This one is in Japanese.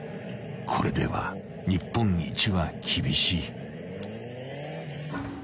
［これでは日本一は厳しい］